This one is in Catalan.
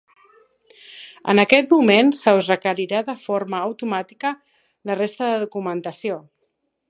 En aquest moment se us requerirà de forma automàtica la resta de documentació.